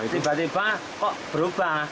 tiba tiba kok berubah